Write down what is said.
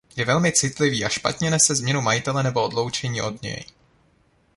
Je velmi citlivý a špatně nese změnu majitele nebo odloučení od něj.